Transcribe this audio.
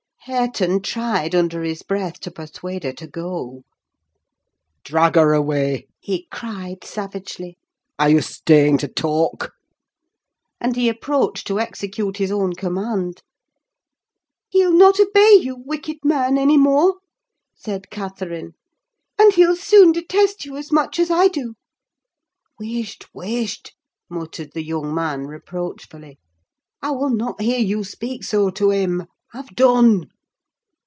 Hareton tried, under his breath, to persuade her to go. "Drag her away!" he cried, savagely. "Are you staying to talk?" And he approached to execute his own command. "He'll not obey you, wicked man, any more," said Catherine; "and he'll soon detest you as much as I do." "Wisht! wisht!" muttered the young man, reproachfully; "I will not hear you speak so to him. Have done."